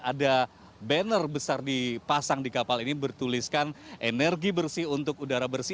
ada banner besar dipasang di kapal ini bertuliskan energi bersih untuk udara bersih